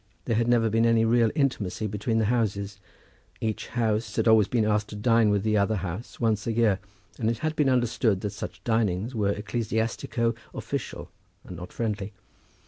There had never been any real intimacy between the houses. Each house had been always asked to dine with the other house once a year; but it had been understood that such dinings were ecclesiastico official, and not friendly.